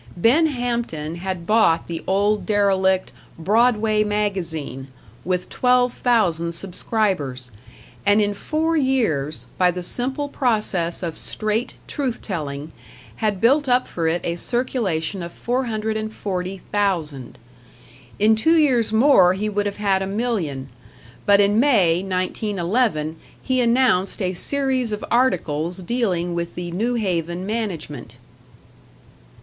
Ben Hampton had bought the old derelict "Broadway Magazine", with twelve thousand subscribers, and in four years, by the simple process of straight truth telling, had built up for it a circulation of 440,000. In two years more he would have had a million; but in May, 1911, he announced a series of articles dealing with the New Haven management.